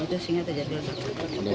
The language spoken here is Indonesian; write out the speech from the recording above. itu sehingga terjadi uapnya